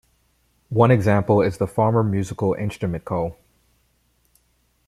One example is the Farmer Musical Instrument Co!